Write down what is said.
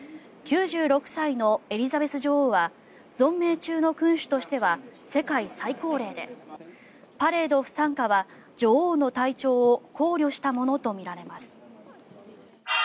９６歳のエリザベス女王は存命中の君主としては世界最高齢でパレード不参加は女王の体調を考慮したものとみられます。